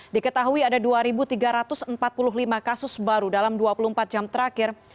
diketahui ada dua tiga ratus empat puluh lima kasus baru dalam dua puluh empat jam terakhir